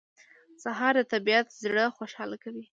سهار د طبیعت زړه خوشاله کوي.